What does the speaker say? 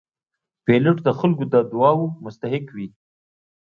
پیلوټ د خلکو د دعاو مستحق وي.